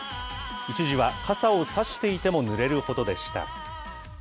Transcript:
一時は傘を差していてもぬれるほどでした。